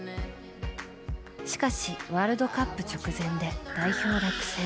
しかし、ワールドカップ直前で代表落選。